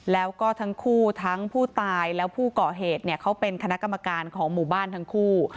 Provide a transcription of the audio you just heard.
แล้วก็ทั้งคู่ทั้งผู้ตายและผู้ก่อเหตุเขาเป็นคณะกรรมการของหมู่บ้านทั้งคู่